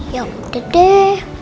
ya udah deh